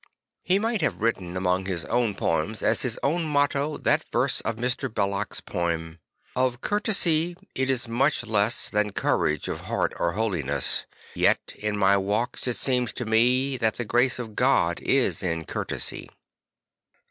He might have written among his own poems as his own motto that verse of Mr. Belloc's poem · Of Courtesy, it is much less Than courage of heart or holiness, Yet in my walks it seems to me That the grace of God is in Courtesy.'